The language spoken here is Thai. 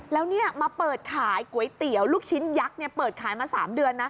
แล้วมาเปิดขายก๋วยเตี๋ยวลูกชิ้นยักษ์เปิดขายมา๓เดือนนะ